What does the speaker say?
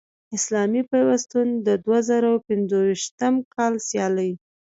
اسلامي پیوستون د دوه زره پنځویشتم کال سیالۍ